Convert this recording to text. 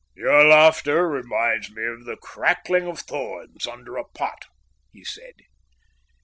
"Your laughter reminds me of the crackling of thorns under a pot," he said.